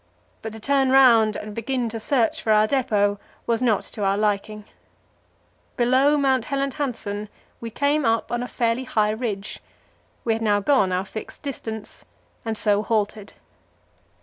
But to turn round and begin to search for our depot was not to our liking. Below Mount Helland Hansen we came up on a fairly high ridge. We had now gone our fixed distance, and so halted.